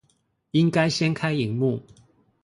應該掀開螢幕